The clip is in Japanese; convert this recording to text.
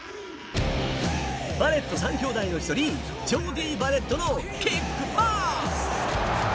バレット３兄弟の一人ジョーディー・バレットのキックパス。